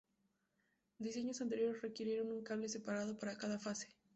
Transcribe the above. Diseños anteriores requirieron un cable separado para cada fase.